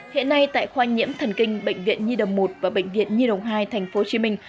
hiện nay tại khoa nhiễm thần kinh bệnh viện nhi đồng một và bệnh viện nhi đồng hai thành phố hồ chí minh